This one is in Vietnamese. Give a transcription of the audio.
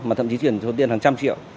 mà thậm chí chuyển tiền hàng trăm triệu